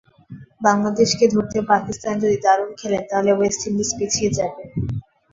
বাংলাদেশকে ধরতে পাকিস্তান যদি দারুণ খেলে, তাহলে ওয়েস্ট ইন্ডিজ পিছিয়ে যাবে।